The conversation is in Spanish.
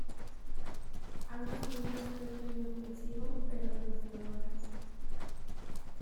Armas con un aspecto inofensivo pero devastadoras.